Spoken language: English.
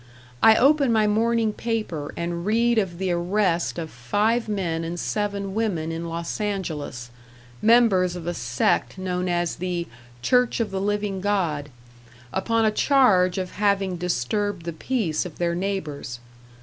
I open my morning paper and read of the arrest of five men and seven women in Los Angeles, members of a sect known as the "Church of the Living God", upon a charge of having disturbed the peace of their neighbors.